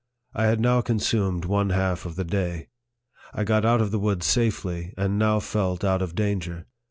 I had now consumed one half of the day. I got out of the woods safely, and now felt out of danger.